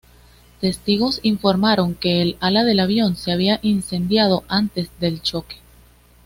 Testigos informaron que el ala del avión se había incendiado antes del choque.